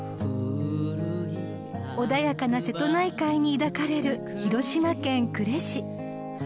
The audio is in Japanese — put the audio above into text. ［穏やかな瀬戸内海に抱かれる広島県呉市］